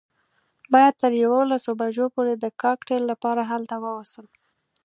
باید تر یوولسو بجو پورې د کاکټیل لپاره هلته ووسم.